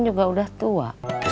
juga udah tua